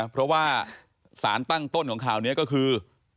เพราะว่าสารตั้งต้นของข่าวนี้ก็คือ